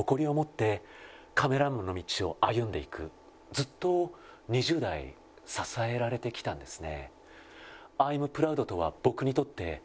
ずっと２０代支えられてきたんですね。